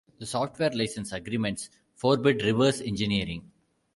The software license agreements forbid reverse engineering.